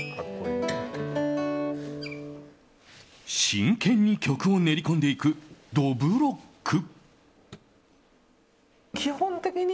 真剣に曲を練りこんでいくどぶろっく。